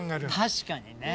確かにね。